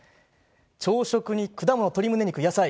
朝食に果物、鶏むね肉、野菜。